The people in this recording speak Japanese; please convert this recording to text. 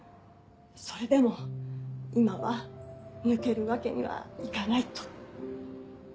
それでも今は抜けるわけにはいかないと。